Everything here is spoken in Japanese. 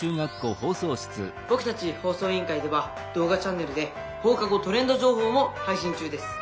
僕たち放送委員会では動画チャンネルで『放課後トレンド情報』も配信中です」。